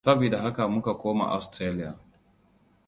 Sabida haka muka koma Austarlia.